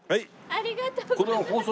ありがとうございます。